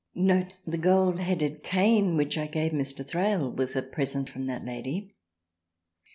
(Note. The Goldheaded cane which I gave Mr. Thrale was a Present from that Lady.)